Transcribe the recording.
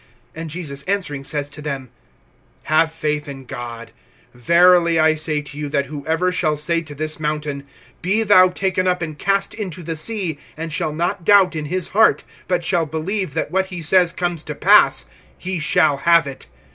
(22)And Jesus answering says to them: Have faith in God. (23)Verily I say to you, that whoever shall say to this mountain: Be thou taken up and cast into the sea, and shall not doubt in his heart, but shall believe that what he says comes to pass, he shall have it.